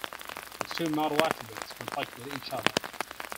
These two model attributes conflict with each other.